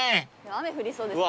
雨降りそうです。